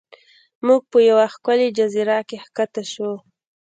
موږ په یوه ښکلې جزیره کې ښکته شو.